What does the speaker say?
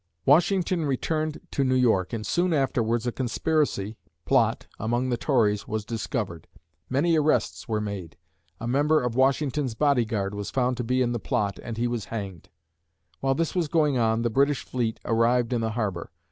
Washington returned to New York and soon afterwards a conspiracy (plot) among the Tories was discovered. Many arrests were made. A member of Washington's body guard was found to be in the plot and he was hanged. While this was going on, the British fleet arrived in the harbor.